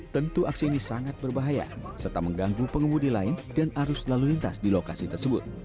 tentu aksi ini sangat berbahaya serta mengganggu pengemudi lain dan arus lalu lintas di lokasi tersebut